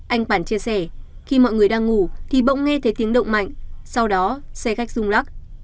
anh khoản chia sẻ khi mọi người đang ngủ thì bỗng nghe thấy tiếng động mạnh sau đó xe khách rung lắc